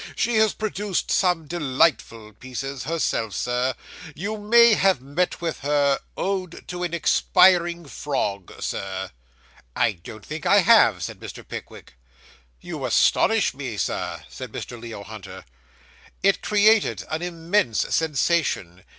She has produced some delightful pieces, herself, sir. You may have met with her "Ode to an Expiring Frog," sir.' 'I don't think I have,' said Mr. Pickwick. 'You astonish me, Sir,' said Mr. Leo Hunter. 'It created an immense sensation.